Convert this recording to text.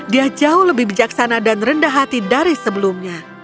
dia jauh lebih bijaksana dan rendah hati dari sebelumnya